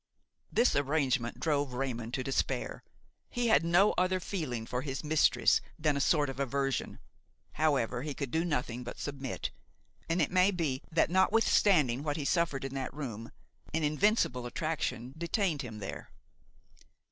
This arrangement drove Raymon to despair; he had no other feeling for his mistress than a sort of aversion. However, he could do nothing but submit, and it may be that, notwithstanding what he suffered in that room, an invincible attraction detained him there.